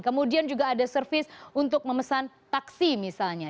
kemudian juga ada servis untuk memesan taksi misalnya